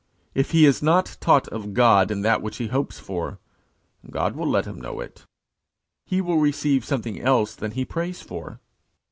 If he is not taught of God in that which he hopes for, God will let him know it. He will receive, something else than he prays for.